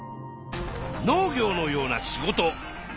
農業のような仕事。